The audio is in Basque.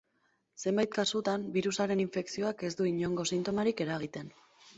Zenbait kasutan birusaren infekzioak ez du inongo sintomarik eragiten.